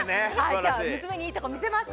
今日は娘にいいとこ見せます。